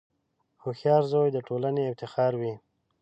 • هوښیار زوی د ټولنې افتخار وي.